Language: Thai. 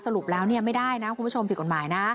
สรุปแล้วไม่ได้นะคุณผู้ชมผิดกฎหมายนะ